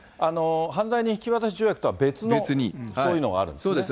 犯罪人引き渡し条約とは別のそういうのがあるんですね。